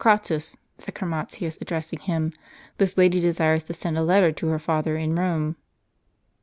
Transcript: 178 ,^:^" Torquatus," said Chromatius, addressing him, " this lady desires to send a letter to her father in Eome."